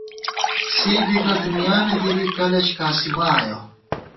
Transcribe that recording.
سے بی گہ دُنیانہ گِری ، کلَش کاسِوا آیَہ